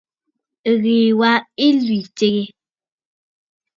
Ɨ́ɣèè wā ɨ́ í tʃégə́.